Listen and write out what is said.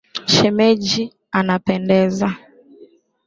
Shemeji anapendeza.